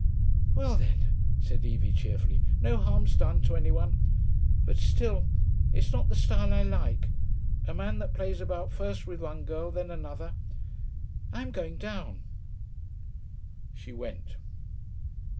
'Well then,' said Evie cheerfully, 'no harm's done to any one. But still, it's not the style I like, a man that plays about first with one girl, then another.... I'm going down.' She went.